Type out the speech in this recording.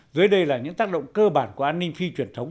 dưới đây là những tác động cơ bản của an ninh phi truyền thống